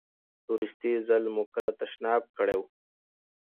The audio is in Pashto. وروستی ځل مو کله تشناب کړی و؟